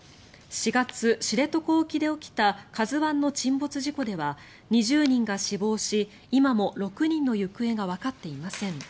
４月、知床沖で起きた「ＫＡＺＵ１」の沈没事故では２０人が死亡し今も６人の行方がわかっていません。